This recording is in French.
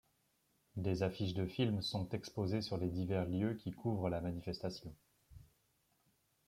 Des affiches de films sont exposées sur les divers lieux qui couvrent la manifestation.